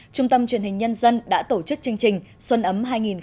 trung tâm truyền hình nhân dân đã tổ chức chương trình xuân ấm hai nghìn một mươi chín